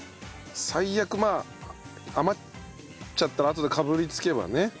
最悪まあ余っちゃったらあとでかぶりつけばね。